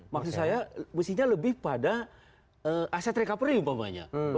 maksud saya mestinya lebih pada aset recovery umpamanya